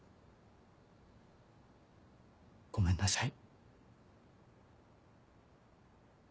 ごめんなさい。